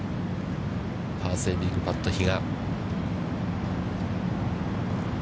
パーセービングパット、比嘉。